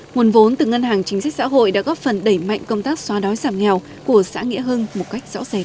nguồn vốn từ ngân hàng chính sách xã hội đã góp phần đẩy mạnh công tác xóa đói giảm nghèo của xã nghĩa hưng một cách rõ ràng